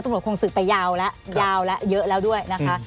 ต้องไปยาวแล้วด้วยนะคะ